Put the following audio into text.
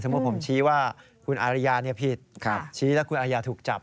สมมุติผมชี้ว่าคุณอารยาเนี่ยผิดชี้แล้วคุณอารยาถูกจับ